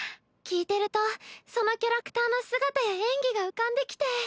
聞いてるとそのキャラクターの姿や演技が浮かんできて。